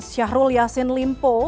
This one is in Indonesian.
syahrul yassin limpo